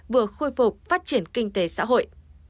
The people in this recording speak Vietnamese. vừa khôi phục phát triển kinh tế xã hội